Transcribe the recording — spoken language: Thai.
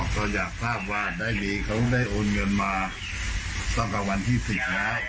ก็อยากภาพวาดได้ดีเขาได้โอนเงินมาต่อกับวันที่สิบแล้ว